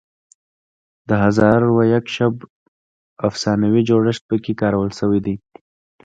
د هزار و یک شب افسانوي جوړښت پکې کارول شوی دی.